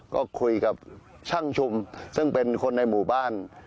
ก็คุยกับช่างชุมซึ่งเป็นคนในหมู่บ้าน